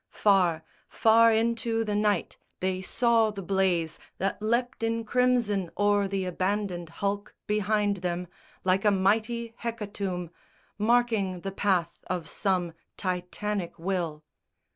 Far, far into the night they saw the blaze That leapt in crimson o'er the abandoned hulk Behind them, like a mighty hecatomb Marking the path of some Titanic will.